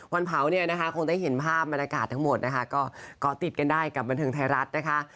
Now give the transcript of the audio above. วันเผาคงได้เห็นภาพบรรยากาศทั้งหมดก็ติดกันได้กับบรรทึงไทยรัฐ